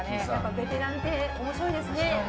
ベテランって面白いですね